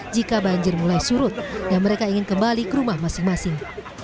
jika banjir mulai surut dan mereka ingin kembali ke rumah masing masing